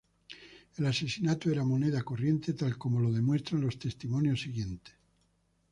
El asesinato era moneda, corriente tal como lo demuestran los testimonios siguientes.